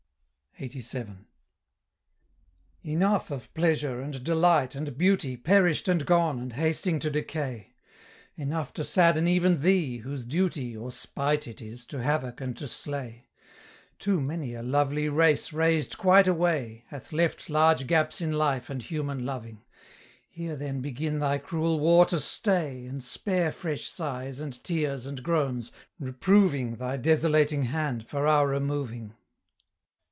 LXXXVII. "Enough of pleasure, and delight, and beauty, Perish'd and gone, and hasting to decay; Enough to sadden even thee, whose duty Or spite it is to havoc and to slay: Too many a lovely race razed quite away, Hath left large gaps in life and human loving; Here then begin thy cruel war to stay, And spare fresh sighs, and tears, and groans, reproving Thy desolating hand for our removing."